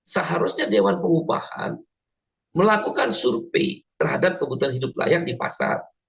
seharusnya dewan pengubahan melakukan survei terhadap kebutuhan hidup layak di pasar